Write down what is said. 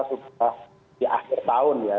sudah di akhir tahun ya